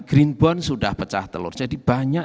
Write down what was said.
green bond sudah pecah telur jadi banyak